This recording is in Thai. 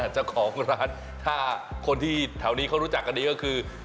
เจ้าของร้านถ้าคนที่แถวนี้เขารู้จักกันดีก็คือ